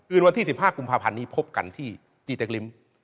วันที่๑๕กุมภาพันธ์นี้พบกันที่จีเต็กริม